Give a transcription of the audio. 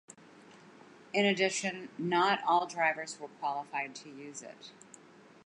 In addition, not all drivers were qualified to use it.